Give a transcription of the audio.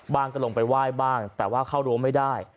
ก็ลงไปไหว้บ้างแต่ว่าเข้ารั้วไม่ได้